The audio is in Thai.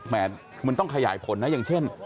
มันต้องขยายผลนะอย่างเช่น